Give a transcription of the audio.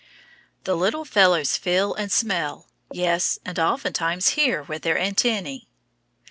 The little fellows feel and smell, yes, and oftentimes hear with their antennæ.